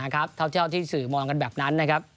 เท่าที่สื่อมองกันแบบนั้นนะครับ